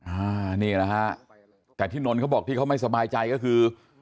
อ่านี่แหละฮะแต่ที่นนท์เขาบอกที่เขาไม่สบายใจก็คือ